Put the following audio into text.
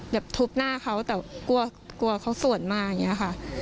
อย่าทุบหน้าเขาแต่กลัวกลัวเขาสวนมาอย่างเงี้ยค่ะ